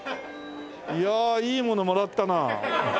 いやあいいものもらったなあ。